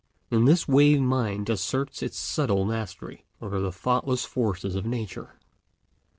In this way mind asserts its subtle mastery over the thoughtless forces of Nature.